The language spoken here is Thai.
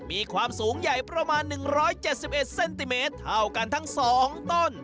มีความสูงใหญ่ประมาณ๑๗๑เซนติเมตรเท่ากันทั้ง๒ต้น